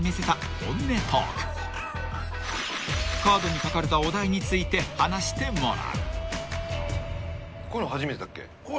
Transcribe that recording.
［カードに書かれたお題について話してもらう］